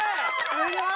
すごい。